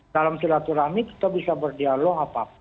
dalam silaturahmi kita bisa berdialog apapun